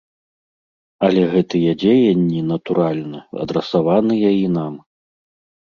Але гэтыя дзеянні, натуральна, адрасаваныя і нам.